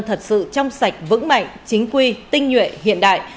thật sự trong sạch vững mạnh chính quy tinh nhuệ hiện đại